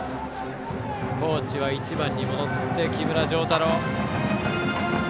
高知は１番に戻って木村星太朗。